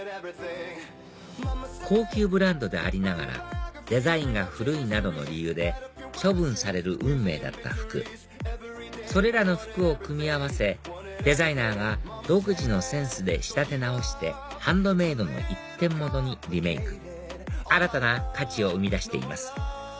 高級ブランドでありながらデザインが古いなどの理由で処分される運命だった服それらの服を組み合わせデザイナーが独自のセンスで仕立て直してハンドメイドの一点物にリメイク新たな価値を生み出しています